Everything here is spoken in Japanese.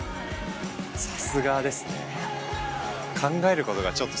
さすがですね。